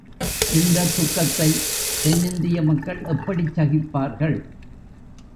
இந்ததுக்கத்தைத் தென்னிந்திய மக்கள் எப்படிச்சகிப்பார்கள்?